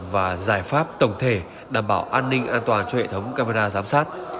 và giải pháp tổng thể đảm bảo an ninh an toàn cho hệ thống camera giám sát